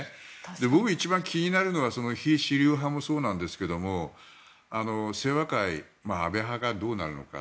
僕が一番気になるのは非主流派もそうですが清和会、安倍派がどうなるのか。